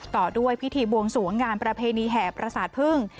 ต่อด้วยพิธีบวงสวงงานประเพณีแห่ประสาทพึ่ง